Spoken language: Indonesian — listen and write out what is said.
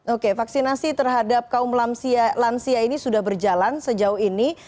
oke vaksinasi terhadap kaum lansia ini sudah berjalan sejauh ini